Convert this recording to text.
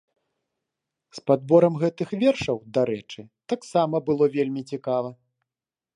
З падборам гэтых вершаў, дарэчы, таксама было вельмі цікава.